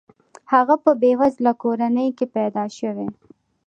هغه په بې وزله کورنۍ کې پیدا شوی.